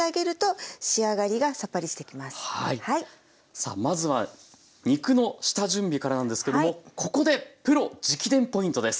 さあまずは肉の下準備からなんですけどもここでプロ直伝ポイントです。